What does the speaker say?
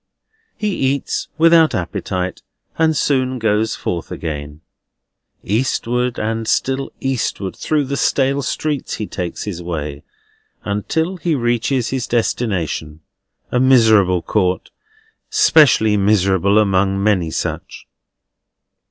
He eats without appetite, and soon goes forth again. Eastward and still eastward through the stale streets he takes his way, until he reaches his destination: a miserable court, specially miserable among many such.